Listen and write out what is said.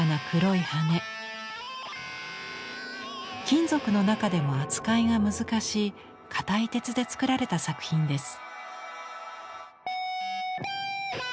金属の中でも扱いが難しい硬い鉄で作られた作品です。